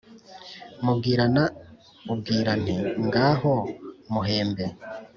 Mubwirana ubwira Nti: ngaho muhembe